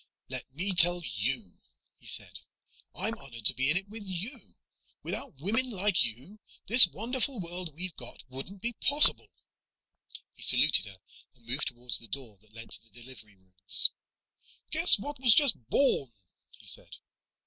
"Let me tell you," he said, "I'm honored to be in it with you. Without women like you, this wonderful world we've got wouldn't be possible." He saluted her and moved toward the door that led to the delivery rooms. "Guess what was just born," he said.